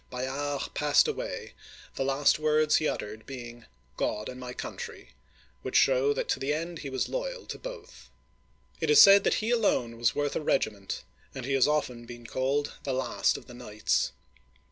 Bayard passed away, the last words he uttered being "God and my country," which show that to the end he was loyal to both. It is said that he alone was worth a regiment, and he has often been called " the last of the knights."